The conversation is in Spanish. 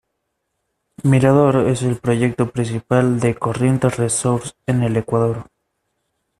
Mirador es el proyecto principal de Corriente Resources en el Ecuador.